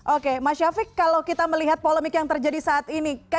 oke mas syafiq kalau kita melihat polemik yang terjadi saat ini